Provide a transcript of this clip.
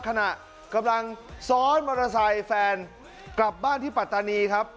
ขณะกำลังซ้อนมอเตอร์ไซค์แฟนกลับบ้านที่ปัตตานีครับ